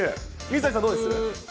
水谷さん、どうです？